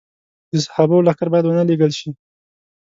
د صحابو لښکر باید ونه لېږل شي.